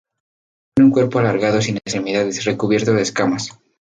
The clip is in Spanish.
Tiene un cuerpo alargado sin extremidades, recubierto de escamas.